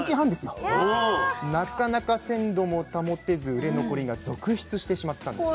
なかなか鮮度も保てず売れ残りが続出してしまったんです。